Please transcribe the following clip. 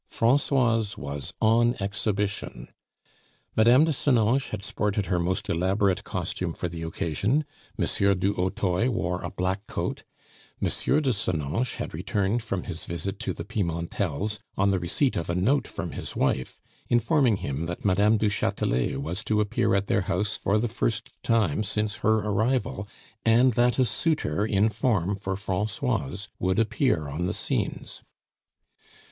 Francoise was on exhibition. Mme. de Senonches had sported her most elaborate costume for the occasion; M. du Hautoy wore a black coat; M. de Senonches had returned from his visit to the Pimentels on the receipt of a note from his wife, informing him that Mme. du Chatelet was to appear at their house for the first time since her arrival, and that a suitor in form for Francoise would appear on the scenes.